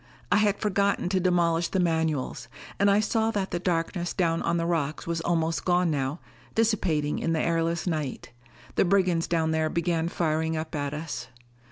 I had forgotten to demolish the manuals. And I saw that the darkness down on the rocks was almost gone now, dissipating in the airless night. The brigands down there began firing up at us.